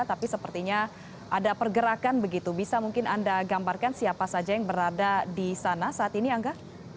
tapi sepertinya ada pergerakan begitu bisa mungkin anda gambarkan siapa saja yang berada di sana saat ini angga